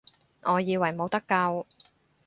我以為冇得救